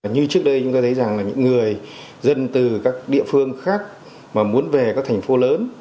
như trước đây chúng ta thấy rằng là những người dân từ các địa phương khác mà muốn về các thành phố lớn